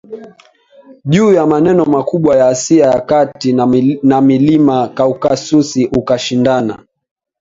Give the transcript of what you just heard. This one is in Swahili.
juu ya maneo makubwa ya Asia ya Kati na milima Kaukasus ukashindana